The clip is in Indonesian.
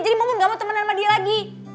jadi momon gak mau temenan sama dia lagi